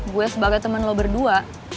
gue sebagai temen lo berdua